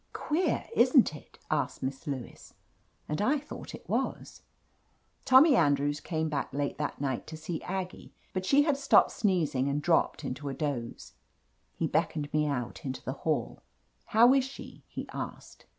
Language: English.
"Queer, isn't it?" asked Miss Lewis. And I thought it was. Tommy Andrews came back late that night to see Aggie, but she had stopped sneezing and dropped into a doze. *He beckoned me out into the hall. "How is she?" he asked.